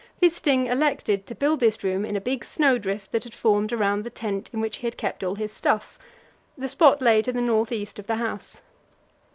Wisting elected to build this room in a big snow drift that had formed around the tent in which he had kept all his stuff; the spot lay to the north east of the house.